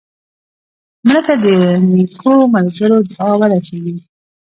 مړه ته د نیکو ملګرو دعا ورسېږي